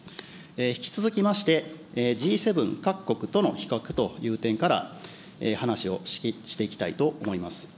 引き続きまして、Ｇ７各国との比較という点から、話をしていきたいと思います。